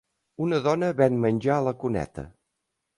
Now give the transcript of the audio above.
Una dona ven menjar a la cuneta.